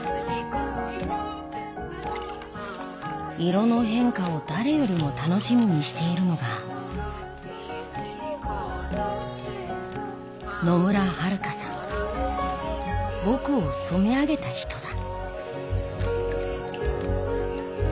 色の変化を誰よりも楽しみにしているのが僕を染め上げた人だ。